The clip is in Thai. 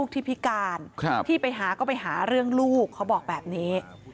ที่พิการที่ไปหาก็ไปหาเรื่องลูกเขาบอกแบบนี้